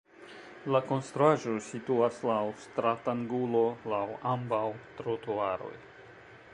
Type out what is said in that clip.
La konstruaĵo situas laŭ stratangulo laŭ ambaŭ trotuaroj.